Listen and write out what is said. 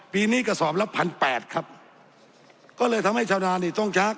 ปีนี้กระสอบละพันแปดครับก็เลยทำให้ชาวนานี่ต้องชัก